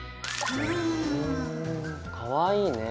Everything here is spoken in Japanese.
ふんかわいいね。